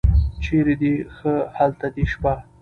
چېرې دې ښه هلته دې شپه.